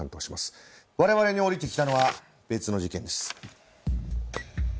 我々に下りてきたのは別の事件です。